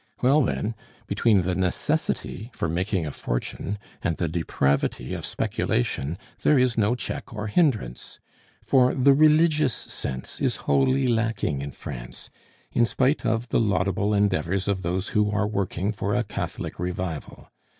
"Well, then, between the necessity for making a fortune and the depravity of speculation there is no check or hindrance; for the religious sense is wholly lacking in France, in spite of the laudable endeavors of those who are working for a Catholic revival.